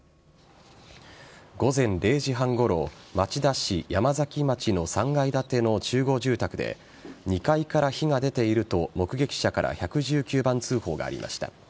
午前０時半ごろ町田市山崎町の３階建ての集合住宅で２階から火が出ていると目撃者から１１９番通報がありました。